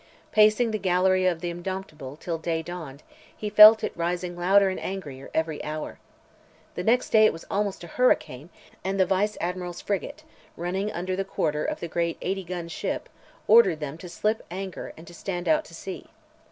Pacing the gallery of the Indomptable till day dawned, he felt it rising louder and angrier, every hour. The next day it was almost a hurricane, and the Vice Admiral's frigate, running under the quarter of the great 80 gun ship, ordered them to slip anchor and stand out to sea.